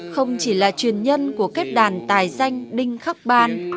không chỉ là truyền nhân của kết đàn tài danh đinh khắc ban